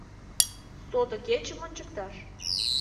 Сото кечым ончыкташ.